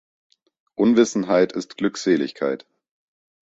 Unwissenheit ist Glückseligkeit.